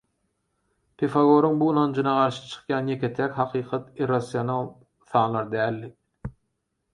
Pifagoryň bu ynanjyna garşy çykýan ýeke-täk hakykat irrasional sanlar däldi.